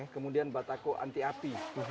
kemudian bataku anti api